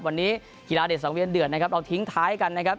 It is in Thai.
วันนี้กีฬาเด็ดสังเวียนเดือดนะครับเราทิ้งท้ายกันนะครับ